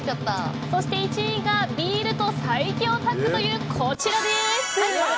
そして１位がビールと最強タッグというこちらです。